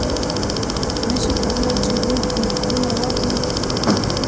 نه شي کولای چې اوه الکترونه واخلي.